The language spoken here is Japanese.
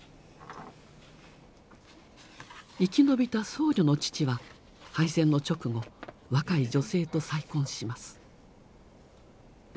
生き延びた僧侶の父は敗戦の直後若い女性と再婚します。